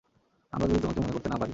আমরা যদি তোমাকে মনে করতে না পারি।